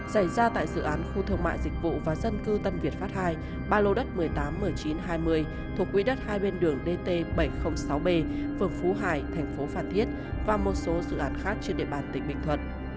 xảy ra tại dự án khu thương mại dịch vụ và dân cư tân việt pháp ii ba lô đất một mươi tám m chín trăm hai mươi thuộc quỹ đất hai bên đường dt bảy trăm linh sáu b phường phú hải thành phố phan thiết và một số dự án khác trên địa bàn tỉnh bình thuận